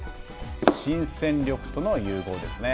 新戦力との融合ですね。